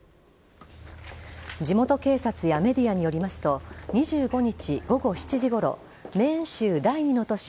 地元警察やメディアによりますと２５日午後７時ごろメーン州第２の都市